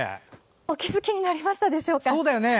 お気づきになりましたでしょうか？